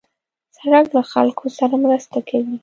سړک له خلکو سره مرسته کوي.